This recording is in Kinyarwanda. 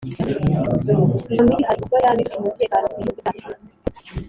iyo migi hari ubwo yaba irusha umutekano ibi bihugu byacu?